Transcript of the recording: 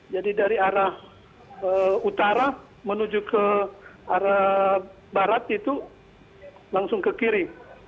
jadi dari arah utara menuju ke arah barat itu langsung ke kiri